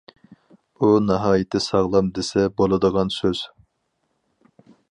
«ئۇ ناھايىتى ساغلام» دېسە بولىدىغان سۆز.